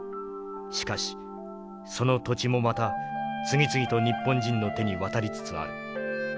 しかしその土地もまた次々と日本人の手に渡りつつある。